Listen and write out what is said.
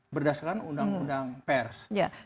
berdasarkan undang undang pers